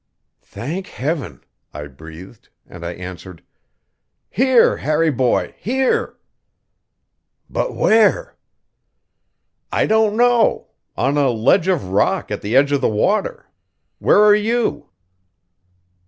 "Thank Heaven!" I breathed; and I answered: "Here, Harry boy, here." "But where?" "I don't know. On a ledge of rock at the edge of the water. Where are you?"